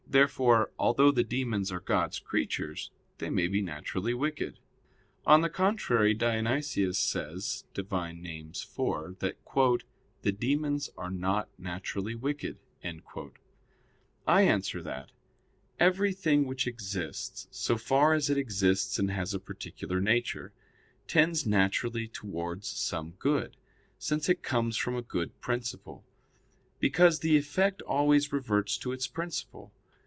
Therefore, although the demons are God's creatures, they may be naturally wicked. On the contrary, Dionysius says (Div. Nom. iv) that "the demons are not naturally wicked." I answer that, Everything which exists, so far as it exists and has a particular nature, tends naturally towards some good; since it comes from a good principle; because the effect always reverts to its principle.